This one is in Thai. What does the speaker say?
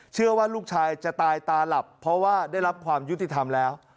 เชื่อว่าลูกชายจะตายตาหลับเพราะว่าได้รับความยุติธรรมแล้ว